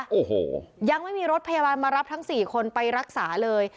โอ้โหยังไม่มีรถพยาบาลมารับทั้งสี่คนไปรักษาเลย